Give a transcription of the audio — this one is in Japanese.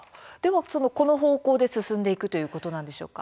この方向で進んでいくということなんでしょうか。